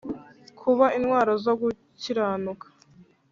kuba intwaro zo gukiranuka